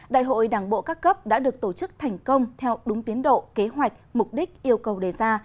đại hội đảng bộ các cấp đã được tổ chức thành công theo đúng tiến độ kế hoạch mục đích yêu cầu đề ra